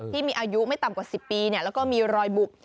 ที่มีอายุไม่ต่ำกว่า๑๐ปีแล้วก็มีรอยบุบ